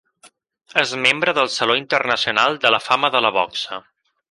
És membre del Saló internacional de la fama de la boxa.